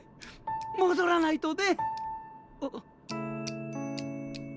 戻らないとね！